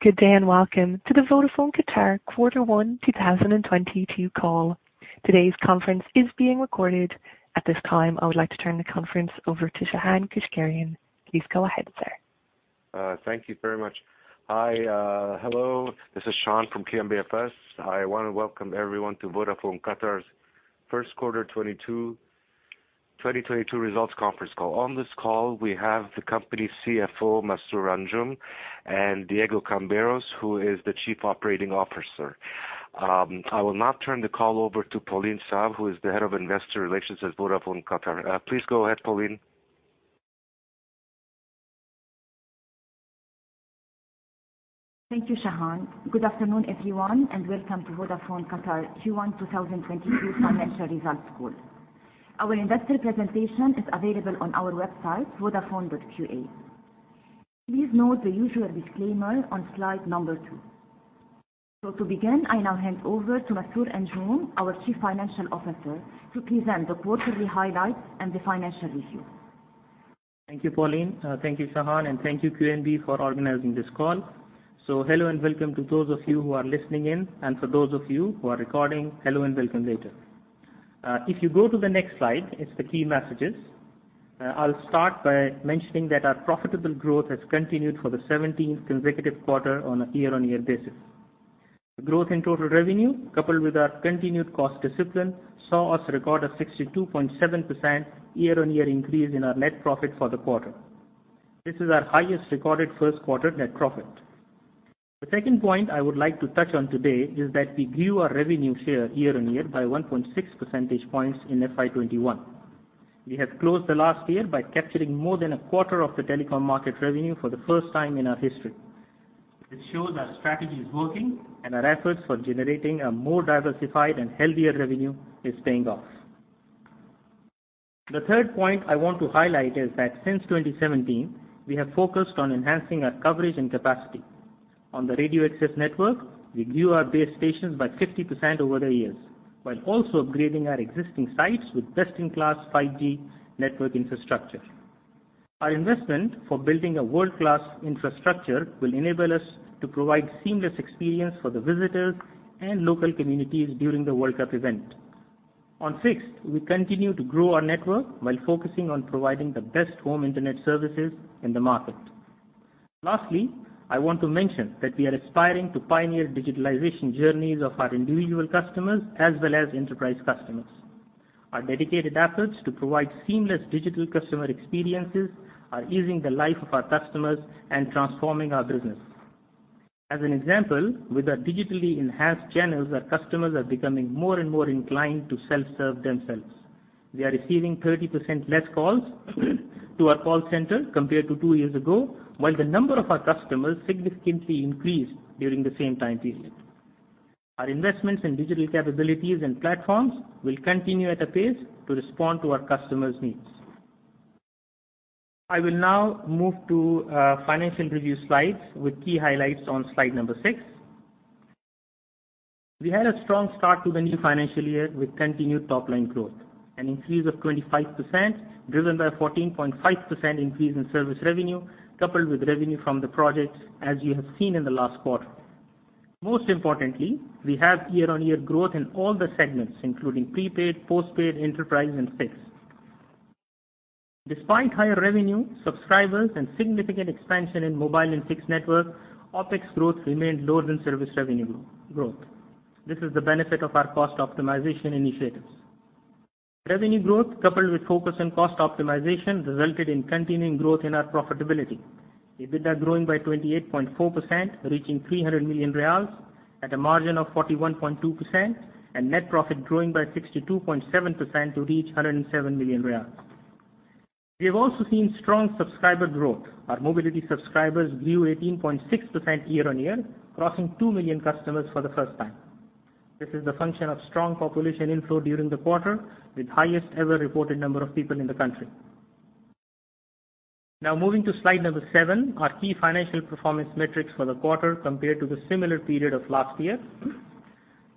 Good day and welcome to the Vodafone Qatar Quarter One 2022 call. Today's conference is being recorded. At this time, I would like to turn the conference over to Shahan Keushgerian. Please go ahead, sir. Thank you very much. Hi. Hello, this is Shahan from QNBFS. I want to welcome everyone to Vodafone Qatar's First Quarter 2022 Results Conference Call. On this call, we have the company CFO, Masroor Anjum, and Diego Camberos, who is the Chief Operating Officer. I will now turn the call over to Pauline Saab, who is the Head of Investor Relations at Vodafone Qatar. Please go ahead, Pauline. Thank you, Shahan. Good afternoon, everyone, and welcome to Vodafone Qatar Q1 2022 financial results call. Our investor presentation is available on our website, vodafone.qa. Please note the usual disclaimer on slide number two. To begin, I now hand over to Masroor Anjum, our Chief Financial Officer, to present the quarterly highlights and the financial review. Thank you, Pauline. Thank you, Shahan, and thank you QNB for organizing this call. Hello and welcome to those of you who are listening in, and for those of you who are recording, hello and welcome later. If you go to the next slide, it's the key messages. I'll start by mentioning that our profitable growth has continued for the seventeenth consecutive quarter on a year-on-year basis. The growth in total revenue, coupled with our continued cost discipline, saw us record a 62.7% year-on-year increase in our net profit for the quarter. This is our highest recorded first quarter net profit. The second point I would like to touch on today is that we grew our revenue share year-on-year by 1.6 percentage points in FY2021. We have closed the last year by capturing more than a quarter of the telecom market revenue for the first time in our history. It shows our strategy is working and our efforts for generating a more diversified and healthier revenue is paying off. The third point I want to highlight is that since 2017, we have focused on enhancing our coverage and capacity. On the radio access network, we grew our base stations by 50% over the years while also upgrading our existing sites with best-in-class 5G network infrastructure. Our investment for building a world-class infrastructure will enable us to provide seamless experience for the visitors and local communities during the World Cup event. On fixed, we continue to grow our network while focusing on providing the best home internet services in the market. Lastly, I want to mention that we are aspiring to pioneer digitalization journeys of our individual customers as well as enterprise customers. Our dedicated efforts to provide seamless digital customer experiences are easing the life of our customers and transforming our business. As an example, with our digitally enhanced channels, our customers are becoming more and more inclined to self-serve themselves. We are receiving 30% less calls to our call center compared to two years ago, while the number of our customers significantly increased during the same time period. Our investments in digital capabilities and platforms will continue at a pace to respond to our customers' needs. I will now move to financial review slides with key highlights on slide number six. We had a strong start to the new financial year with continued top-line growth, an increase of 25% driven by a 14.5% increase in service revenue, coupled with revenue from the projects as you have seen in the last quarter. Most importantly, we have year-on-year growth in all the segments, including prepaid, postpaid, enterprise, and fixed. Despite higher revenue, subscribers and significant expansion in mobile and fixed network, OpEx growth remained lower than service revenue growth. This is the benefit of our cost optimization initiatives. Revenue growth, coupled with focus on cost optimization, resulted in continuing growth in our profitability. EBITDA growing by 28.4%, reaching 300 million riyals at a margin of 41.2%, and net profit growing by 62.7% to reach 107 million. We have also seen strong subscriber growth. Our mobility subscribers grew 18.6% year-on-year, crossing two million customers for the first time. This is the function of strong population inflow during the quarter with highest ever reported number of people in the country. Now moving to slide number seven, our key financial performance metrics for the quarter compared to the similar period of last year.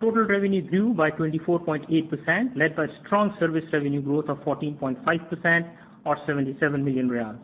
Total revenue grew by 24.8%, led by strong service revenue growth of 14.5% or 77 million riyals.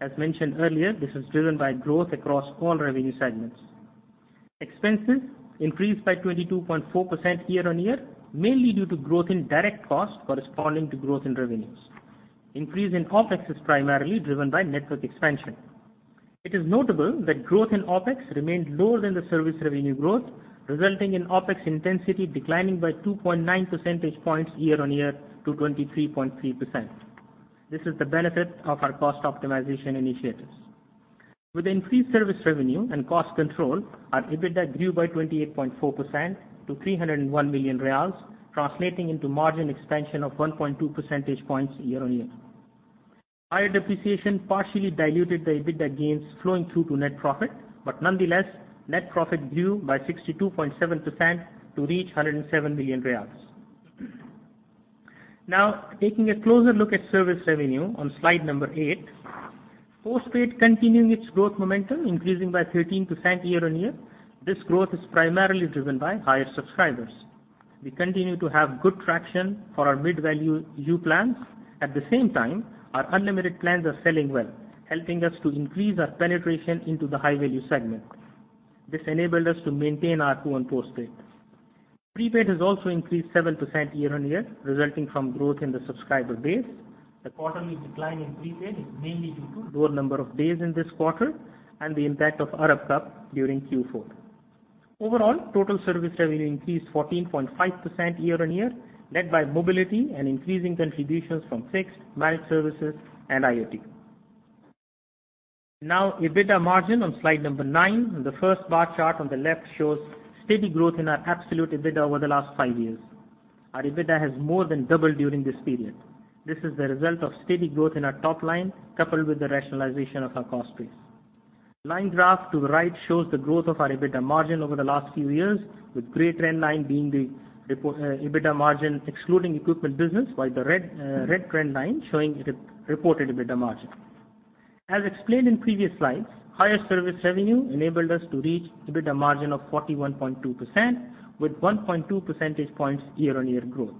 As mentioned earlier, this is driven by growth across all revenue segments. Expenses increased by 22.4% year-on-year, mainly due to growth in direct costs corresponding to growth in revenues. Increase in OpEx is primarily driven by network expansion. It is notable that growth in OpEx remained lower than the service revenue growth, resulting in OpEx intensity declining by 2.9 percentage points year-on-year to 23.3%. This is the benefit of our cost optimization initiatives. With increased service revenue and cost control, our EBITDA grew by 28.4% to 301 million riyals, translating into margin expansion of 1.2 percentage points year-on-year. Higher depreciation partially diluted the EBITDA gains flowing through to net profit, but nonetheless, net profit grew by 62.7% to reach 107 million riyals. Now, taking a closer look at service revenue on slide eight. Postpaid continuing its growth momentum, increasing by 13% year-on-year. This growth is primarily driven by higher subscribers. We continue to have good traction for our mid-value new plans. At the same time, our unlimited plans are selling well, helping us to increase our penetration into the high-value segment. This enabled us to maintain our 20% postpaid. Prepaid has also increased 7% year-on-year, resulting from growth in the subscriber base. The quarterly decline in prepaid is mainly due to lower number of days in this quarter and the impact of Arab Cup during Q4. Overall, total service revenue increased 14.5% year-on-year, led by mobility and increasing contributions from fixed managed services and IoT. Now EBITDA margin on slide nine. The first bar chart on the left shows steady growth in our absolute EBITDA over the last five years. Our EBITDA has more than doubled during this period. This is the result of steady growth in our top line, coupled with the rationalization of our cost base. Line graph to the right shows the growth of our EBITDA margin over the last few years, with gray trend line being the reported EBITDA margin excluding equipment business, while the red trend line showing the reported EBITDA margin. As explained in previous slides, higher service revenue enabled us to reach EBITDA margin of 41.2% with 1.2 percentage points year-on-year growth.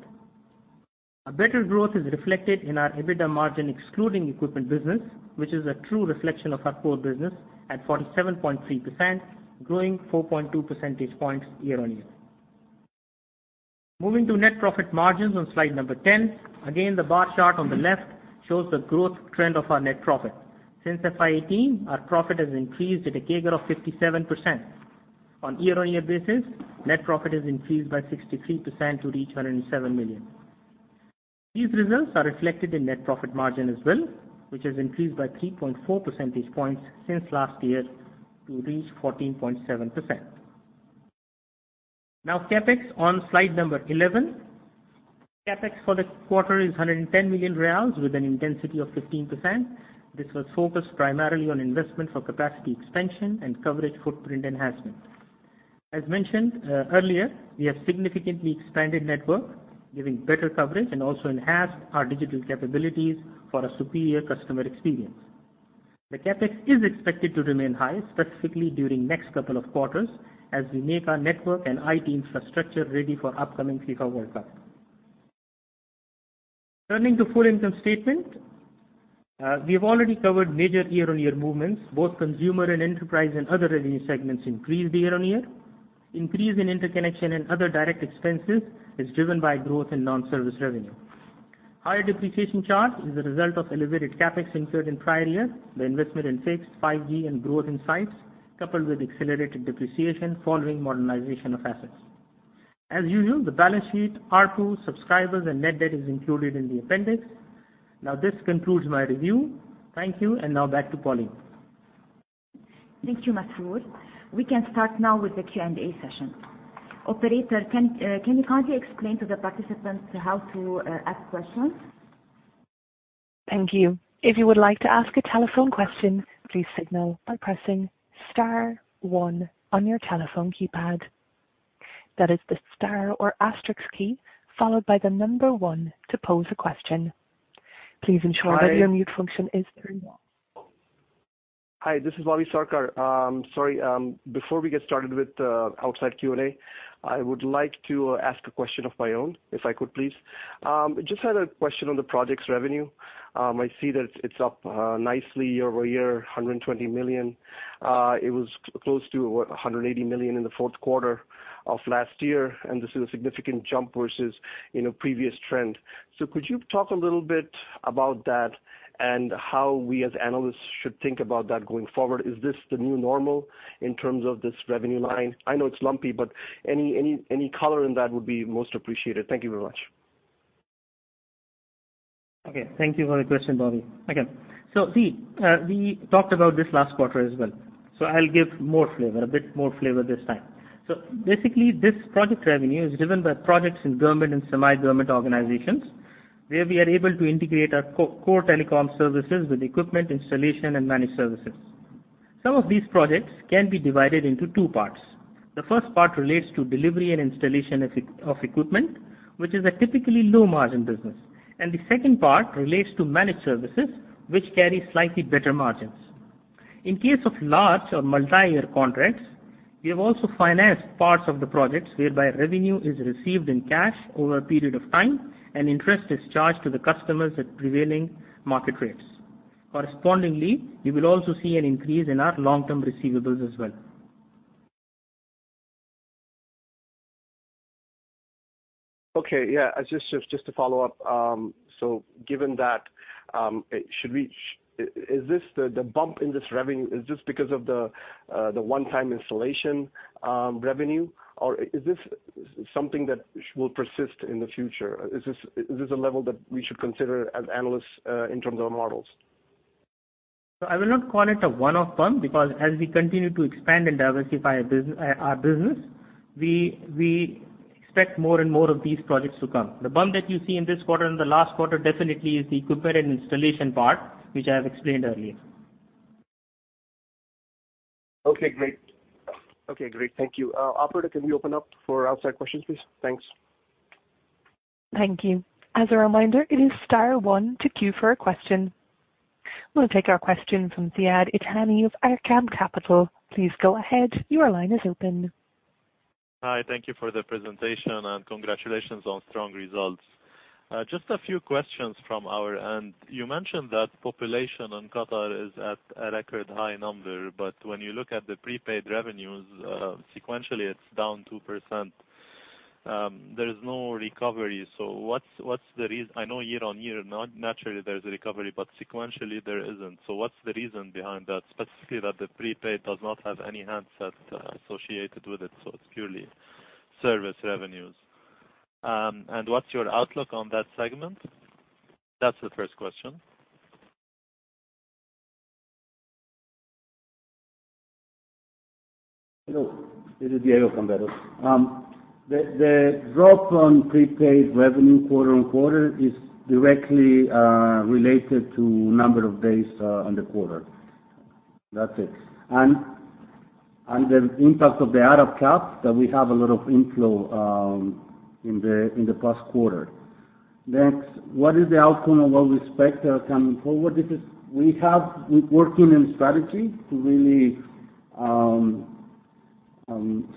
A better growth is reflected in our EBITDA margin excluding equipment business, which is a true reflection of our core business at 47.3%, growing 4.2 percentage points year-on-year. Moving to net profit margins on slide number 10. Again, the bar chart on the left shows the growth trend of our net profit. Since FY2018, our profit has increased at a CAGR of 57%. On year-on-year basis, net profit has increased by 63% to reach 107 million. These results are reflected in net profit margin as well, which has increased by 3.4 percentage points since last year to reach 14.7%. Now, CapEx on slide number 11. CapEx for the quarter is 110 million riyals with an intensity of 15%. This was focused primarily on investment for capacity expansion and coverage footprint enhancement. As mentioned earlier, we have significantly expanded network, giving better coverage and also enhanced our digital capabilities for a superior customer experience. The CapEx is expected to remain high, specifically during next couple of quarters as we make our network and IT infrastructure ready for upcoming FIFA World Cup. Turning to full income statement. We have already covered major year-on-year movements. Both consumer and enterprise and other revenue segments increased year-on-year. Increase in interconnection and other direct expenses is driven by growth in non-service revenue. Higher depreciation charge is a result of elevated CapEx incurred in prior year. The investment in fixed, 5G and growth in sites, coupled with accelerated depreciation following modernization of assets. As usual, the balance sheet, ARPU, subscribers and net debt is included in the appendix. Now, this concludes my review. Thank you. Now back to Pauline. Thank you, Masroor. We can start now with the Q&A session. Operator, can you kindly explain to the participants how to ask questions? Thank you. If you would like to ask a telephone question, please signal by pressing star one on your telephone keypad. That is the star or asterisks key followed by the number one to pose a question. Please ensure that your mute function is turned on. Hi, this is Bobby Sarkar. Sorry, before we get started with outside Q&A, I would like to ask a question of my own, if I could, please. Just had a question on the projects revenue. I see that it's up nicely year-over-year, 120 million. It was close to 180 million in the fourth quarter of last year. This is a significant jump versus, you know, previous trend. Could you talk a little bit about that and how we as analysts should think about that going forward? Is this the new normal in terms of this revenue line? I know it's lumpy, but any color in that would be most appreciated. Thank you very much. Thank you for the question, Bobby. We talked about this last quarter as well, so I'll give more flavor, a bit more flavor this time. Basically this project revenue is driven by projects in government and semi-government organizations, where we are able to integrate our core telecom services with equipment installation and managed services. Some of these projects can be divided into two parts. The first part relates to delivery and installation of equipment, which is a typically low margin business, and the second part relates to managed services, which carry slightly better margins. In case of large or multi-year contracts, we have also financed parts of the projects whereby revenue is received in cash over a period of time and interest is charged to the customers at prevailing market rates. Correspondingly, you will also see an increase in our long-term receivables as well. Okay. Yeah, I just to follow up. Given that, is this the bump in this revenue? Is this because of the one-time installation revenue, or is this something that will persist in the future? Is this a level that we should consider as analysts in terms of our models? I will not call it a one-off bump because as we continue to expand and diversify our business, we expect more and more of these projects to come. The bump that you see in this quarter and the last quarter definitely is the equipment and installation part, which I have explained earlier. Okay, great. Thank you. Operator, can we open up for outside questions, please? Thanks. Thank you. As a reminder, it is star one to queue for a question. We'll take our question from Ziad Itani of Arqaam Capital. Please go ahead. Your line is open. Hi. Thank you for the presentation, and congratulations on strong results. Just a few questions from our end. You mentioned that population in Qatar is at a record high number, but when you look at the prepaid revenues, sequentially, it's down 2%. There is no recovery. What's the reason? I know year-on-year naturally there's a recovery, but sequentially there isn't. What's the reason behind that, specifically that the prepaid does not have any handset associated with it, so it's purely service revenues? What's your outlook on that segment? That's the first question. Hello. This is Diego Camberos. The drop on prepaid revenue quarter on quarter is directly related to number of days on the quarter. That's it. The impact of the Arab Cup that we have a lot of inflow in the past quarter. Next, what is the outcome and what we expect coming forward? This is. We have been working in strategy to really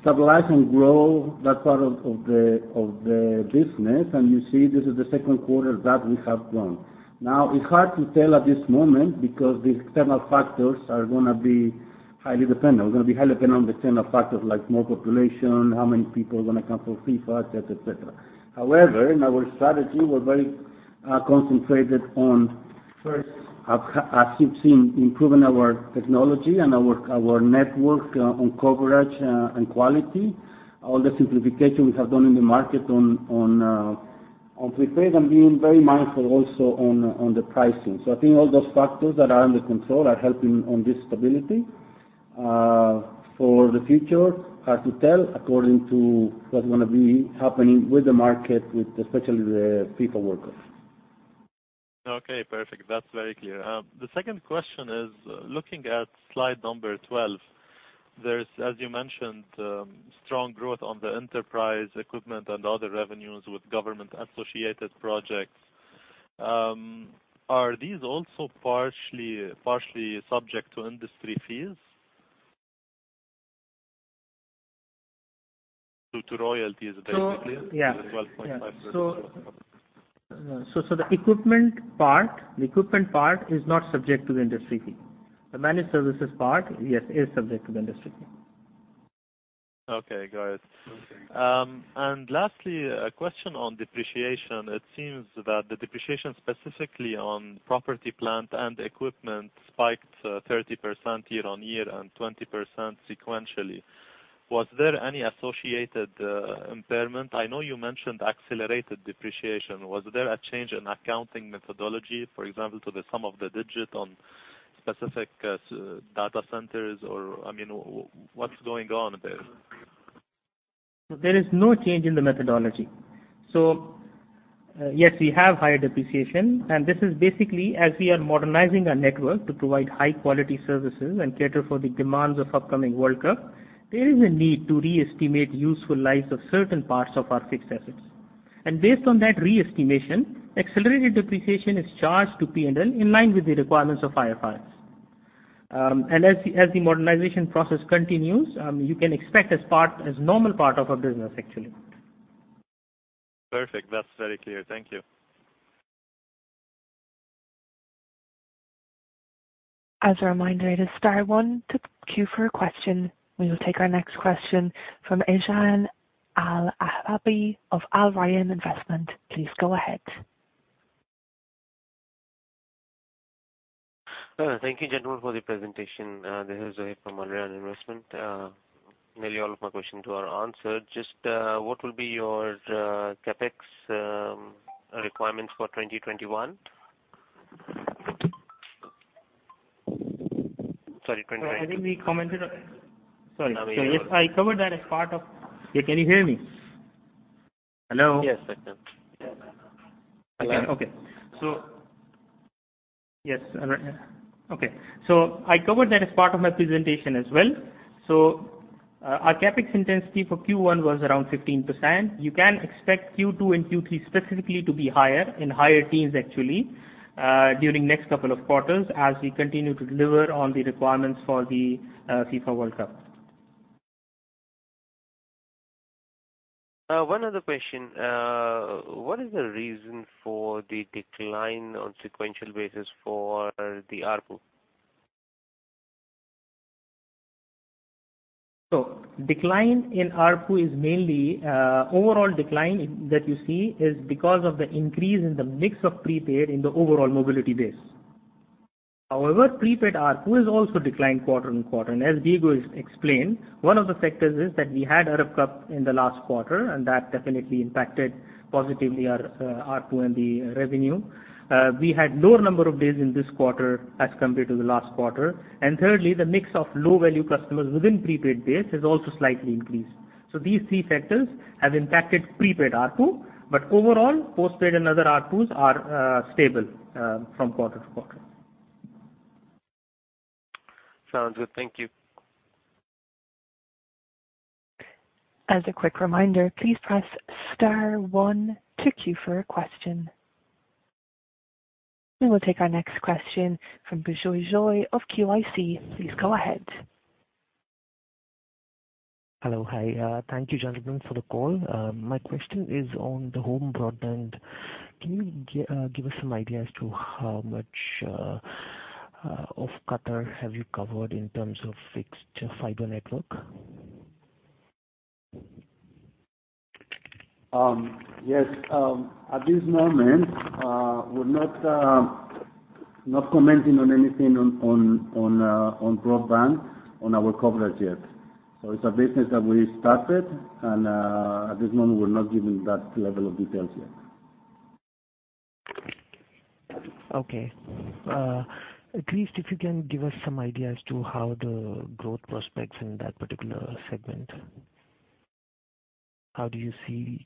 stabilize and grow that part of the business, and you see this is the second quarter that we have grown. Now, it's hard to tell at this moment because these external factors are gonna be highly dependent. We're gonna be highly dependent on the external factors like more population, how many people are gonna come for FIFA, et cetera. However, in our strategy, we're very concentrated on, first, as you've seen, improving our technology and our network on coverage and quality. All the simplification we have done in the market on prepaid and being very mindful also on the pricing. I think all those factors that are under control are helping on this stability. For the future, hard to tell according to what's gonna be happening with the market, with especially the FIFA World Cup. Okay, perfect. That's very clear. The second question is looking at slide number 12. There's, as you mentioned, strong growth on the enterprise equipment and other revenues with government-associated projects. Are these also partially subject to industry fees? To royalties basically? Yeah. The 12.5%. The equipment part is not subject to the industry fee. The managed services part, yes, is subject to the industry fee. Okay, got it. Lastly, a question on depreciation. It seems that the depreciation specifically on property, plant, and equipment spiked 30% year-on-year and 20% sequentially. Was there any associated impairment? I know you mentioned accelerated depreciation. Was there a change in accounting methodology, for example, to the sum of the digits on specific data centers or, I mean, what's going on there? There is no change in the methodology. Yes, we have higher depreciation, and this is basically as we are modernizing our network to provide high-quality services and cater for the demands of upcoming World Cup, there is a need to re-estimate useful lives of certain parts of our fixed assets. Based on that re-estimation, accelerated depreciation is charged to P&L in line with the requirements of IFRS. As the modernization process continues, you can expect as a normal part of our business actually. Perfect. That's very clear. Thank you. As a reminder, it's star one to queue for a question. We will take our next question from Ejayan Al-ahbabi of Al Rayan Investment. Please go ahead. Thank you gentlemen for the presentation. This is Ejayan from Al Rayan Investment. Nearly all of my questions were answered. Just, what will be your CapEx requirements for 2021? Sorry, twenty- I think we commented. Sorry. Yes, I covered that as part of. Yeah, can you hear me? Hello? Yes, I can. I covered that as part of my presentation as well. Our CapEx intensity for Q1 was around 15%. You can expect Q2 and Q3 specifically to be higher, in higher teens actually, during next couple of quarters as we continue to deliver on the requirements for the FIFA World Cup. One other question. What is the reason for the decline on sequential basis for the ARPU? Decline in ARPU is mainly the overall decline that you see is because of the increase in the mix of prepaid in the overall mobility base. However, prepaid ARPU has also declined quarter-on-quarter. As Diego explained, one of the factors is that we had Arab Cup in the last quarter, and that definitely impacted positively our ARPU and the revenue. We had lower number of days in this quarter as compared to the last quarter. Thirdly, the mix of low-value customers within prepaid base has also slightly increased. These three factors have impacted prepaid ARPU, but overall, postpaid and other ARPUs are stable from quarter-on-quarter. Sounds good. Thank you. As a quick reminder, please press star one to queue for a question. We will take our next question from Bijoy Joy of QIC. Please go ahead. Hello. Hi. Thank you, gentlemen, for the call. My question is on the home broadband. Can you give us some idea as to how much of Qatar have you covered in terms of fixed fiber network? Yes. At this moment, we're not not commenting on anything on broadband on our coverage yet. It's a business that we started and at this moment we're not giving that level of details yet. Okay. At least if you can give us some idea as to how the growth prospects in that particular segment. How do you see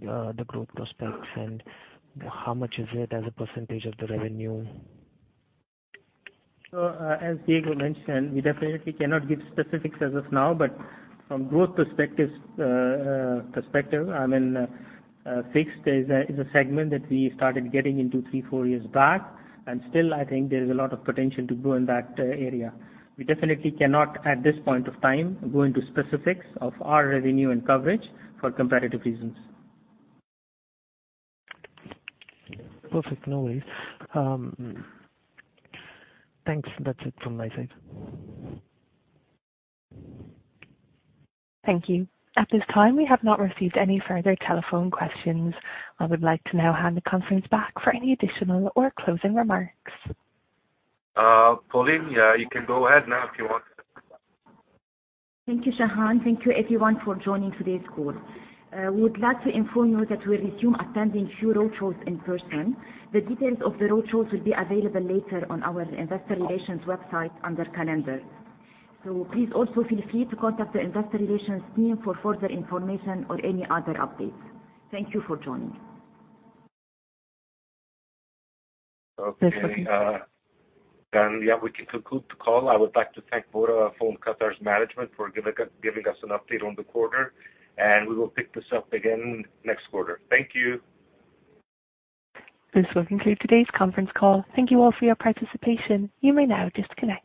the growth prospects, and how much is it as a percentage of the revenue? As Diego mentioned, we definitely cannot give specifics as of now, but from growth perspective, I mean, fixed is a segment that we started getting into three, four years back, and still I think there is a lot of potential to grow in that area. We definitely cannot, at this point of time, go into specifics of our revenue and coverage for competitive reasons. Perfect. No worries. Thanks. That's it from my side. Thank you. At this time, we have not received any further telephone questions. I would like to now hand the conference back for any additional or closing remarks. Pauline, yeah, you can go ahead now if you want. Thank you, Shahan. Thank you everyone for joining today's call. We would like to inform you that we'll resume attending few roadshows in person. The details of the roadshows will be available later on our investor relations website under Calendar. Please also feel free to contact the investor relations team for further information or any other updates. Thank you for joining. Okay. Yeah, we can conclude the call. I would like to thank Vodafone Qatar's management for giving us an update on the quarter, and we will pick this up again next quarter. Thank you. This will conclude today's conference call. Thank you all for your participation. You may now disconnect.